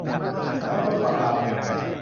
แล้วเพิ่มวันลาแทน